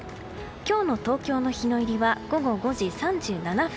今日の東京の日の入りは午後５時３７分。